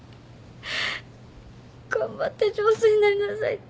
頑張って上手になりなさいって。